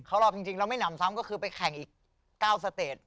รอบจริงแล้วไม่หนำซ้ำก็คือไปแข่งอีก๙สเตจ